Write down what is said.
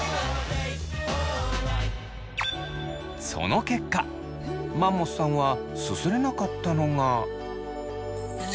その結果マンモスさんはすすれなかったのが。